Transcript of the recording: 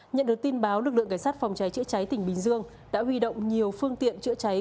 nhận được tin báo lực lượng cảnh sát phòng cháy chữa cháy tỉnh bình dương đã huy động nhiều phương tiện chữa cháy